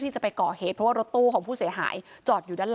ใช่เหมือนรอ